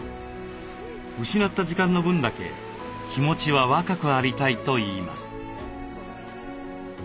失った時間の分だけ気持ちは若くありたいといいます。